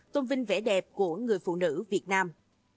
tôn vinh vẻ đẹp của người phụ nữ việt nam